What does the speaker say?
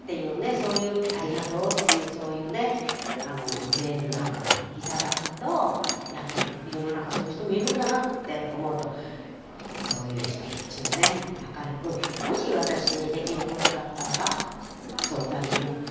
そういうありがとうっていうそういうねメールなんかが頂くとやっぱり世の中そういう人もいるんだなって思うとそういう人たちをね明るくもし私にできることだったらば相談に乗って